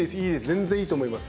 全然いいと思います！